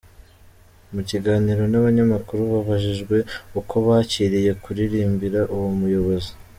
Mu kiganiro n’abanyamakuru babajijwe uko bakiriye kuririmbira uwo muyobozi.